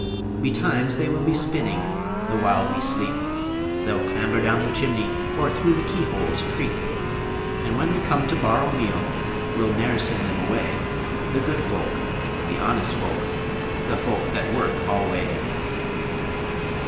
Betimes they will be spinning The while we sleep, They'll clamber down the chimney, Or through keyholes creep; And when they come to borrow meal We'll ne'er them send away The good folk, the honest folk, the folk that work alway.